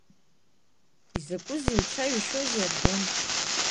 Изакәызеи, иуцәажәашьоузеи, Ардон?